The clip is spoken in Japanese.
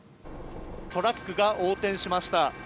トラックが横転しました。